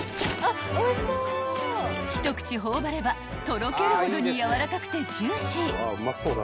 ［一口頬張ればとろけるほどにやわらかくてジューシー］